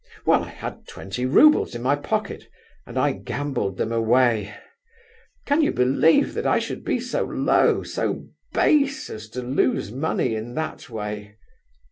Well, I had twenty roubles in my pocket, and I gambled them away. Can you believe that I should be so low, so base, as to lose money in that way?"